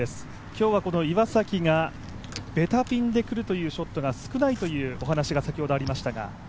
今日は岩崎がベタピンで来るというショットが少ないというお話が先ほどありましたが？